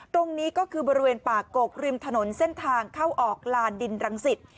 ตรงนี้ก็คือบริเวณป่ากกริมถนนเส้นทางเข้าออกลานดินรังสิต